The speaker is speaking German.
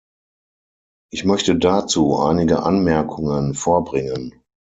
Ich möchte dazu einige Anmerkungen vorbringen.